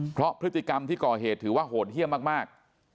เพราะพฤติกรรมที่ก่อเหตุถือว่าโหดเยี่ยมมาก